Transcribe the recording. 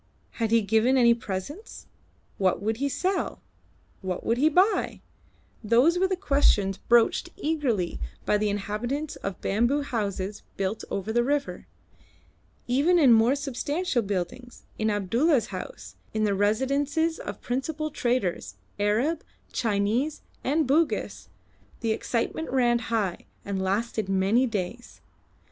Had he given any presents? What would he sell? What would he buy? Those were the questions broached eagerly by the inhabitants of bamboo houses built over the river. Even in more substantial buildings, in Abdulla's house, in the residences of principal traders, Arab, Chinese, and Bugis, the excitement ran high, and lasted many days.